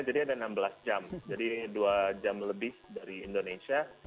jadi ada enam belas jam jadi dua jam lebih dari indonesia